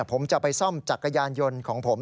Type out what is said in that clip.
ผมจะไปซ่อมจักรยานยนต์ของผม